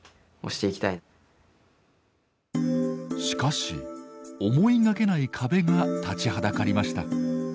しかし思いがけない壁が立ちはだかりました。